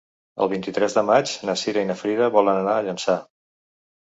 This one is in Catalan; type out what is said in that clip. El vint-i-tres de maig na Cira i na Frida volen anar a Llançà.